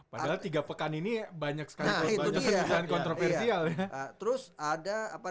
padahal tiga pekan ini banyak sekali kontroversial ya